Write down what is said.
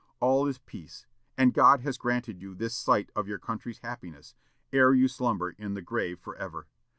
All is peace; and God has granted you this sight of your country's happiness, ere you slumber in the grave forever.